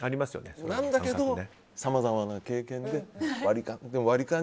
何だけどさまざまな経験で割り勘。